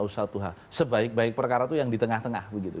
sebaik baik perkara itu yang di tengah tengah begitu